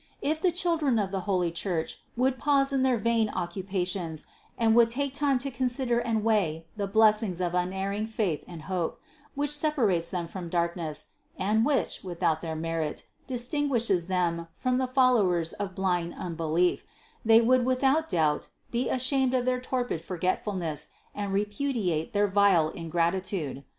If the children of the holy Church would pause in their vain occupations and would take time to consider and weigh the blessings of unerring faith and hope, which separates them from darkness and which, without their merit, distinguishes them from the followers of blind unbelief, they would without doubt be ashamed of their torpid forgetfulness and repudiate their vile ingratitude.